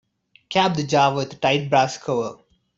Cap the jar with a tight brass cover.